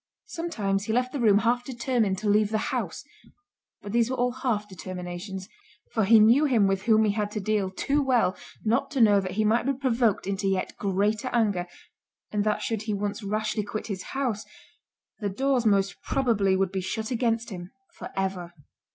Sometimes he left the room half determined to leave the house—but these were all half determinations; for he knew him with whom he had to deal too well, not to know that he might be provoked into yet greater anger; and that should he once rashly quit his house, the doors most probably would be shut against him for ever.